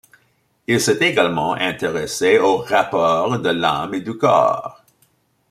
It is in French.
Il s'est également intéressé aux rapports de l'âme et du corps.